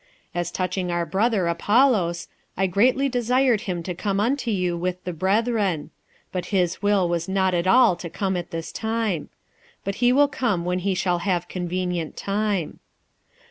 46:016:012 As touching our brother Apollos, I greatly desired him to come unto you with the brethren: but his will was not at all to come at this time; but he will come when he shall have convenient time.